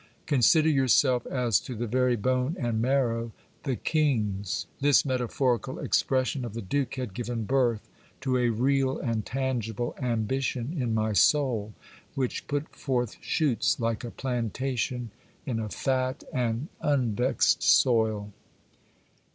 "Consider yourself as to the very bone and marrow the king's." This metaphorical expression of the duke had given birth to a real and tangible ambition in my souk which put forth shoots like a plantation in a fat and unvexed soiL a.